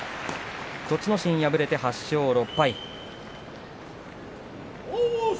栃ノ心、敗れて８勝６敗。